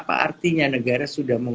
saya lagi berharap perang su dramaticel